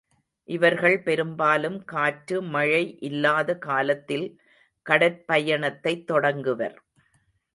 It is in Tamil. இவர்கள் பெரும்பாலும் காற்று, மழை இல்லாத காலத்தில் கடற் பயணத்தைத் தொடங்குவர்.